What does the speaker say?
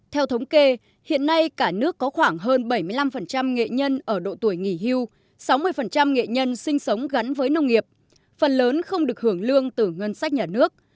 theo thống kê hiện nay cả nước có khoảng hơn bảy mươi năm nghệ nhân ở độ tuổi nghỉ hưu sáu mươi nghệ nhân sinh sống gắn với nông nghiệp phần lớn không được hưởng lương từ ngân sách nhà nước